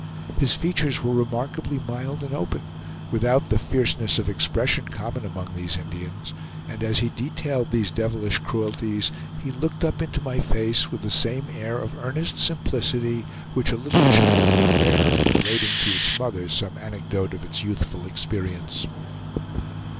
His features were remarkably mild and open, without the fierceness of expression common among these Indians; and as he detailed these devilish cruelties, he looked up into my face with the same air of earnest simplicity which a little child would wear in relating to its mother some anecdote of its youthful experience.